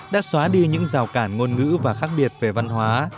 đã xóa đi những rào cản ngôn ngữ và khác biệt về văn hóa